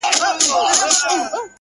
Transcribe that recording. دا ارزښتمن شى په بټوه كي ساته ـ